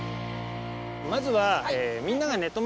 まずはみんながね